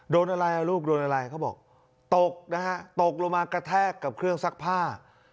โดนอะไรอ่ะลูกโดนอะไรเขาบอกตกนะฮะตกลงมากระแทกกับเครื่องซักผ้า